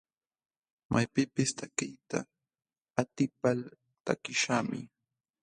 Maypipis takiyta atipal takiśhaqmi.